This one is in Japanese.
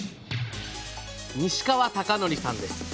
西川崇徳さんです。